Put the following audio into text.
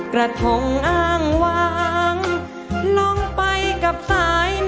กระทงอ้างวางลงไปกับสาย